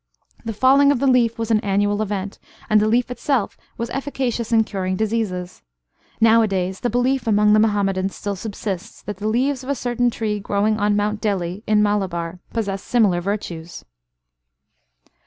The falling of the leaf was an annual event, and the leaf itself was efficacious in curing diseases. Nowadays the belief among the Muhammadans still subsists, that the leaves of a certain tree growing on Mount Deli (in Malabar) possess similar virtues."